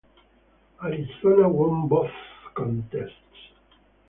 Arizona won both contests.